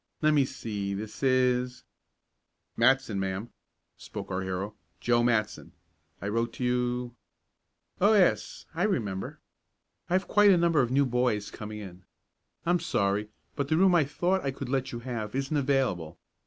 Let me see, this is " "Matson, ma'am," spoke our hero. "Joe Matson. I wrote to you " "Oh, yes, I remember. I have quite a number of new boys coming in. I'm sorry, but the room I thought I could let you have isn't available.